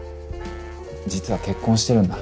実は結婚してるんだ。